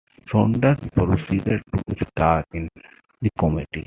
Saunders proceeded to star in the comedy.